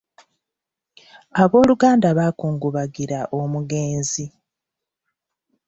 Abooluganda bakungubagira omugenzi.